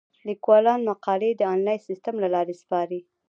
لیکوالان مقالې د انلاین سیستم له لارې سپاري.